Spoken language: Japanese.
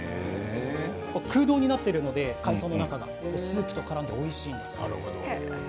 空洞になっているので海藻の中がスープとからんでおいしいんだそうです。